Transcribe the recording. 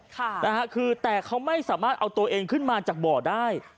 ค่ะนะฮะคือแต่เขาไม่สามารถเอาตัวเองขึ้นมาจากบ่อได้